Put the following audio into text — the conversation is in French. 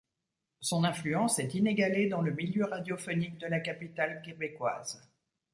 Son influence est inégalée dans le milieu radiophonique de la capitale québécoise.